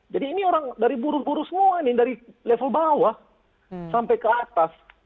jadi ini orang dari buruh buruh semua ini dari level bawah sampai ke atas